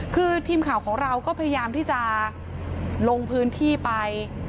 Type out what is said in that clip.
คือทีมข่าวของเราก็พยายามที่จะลงพื้นที่ไป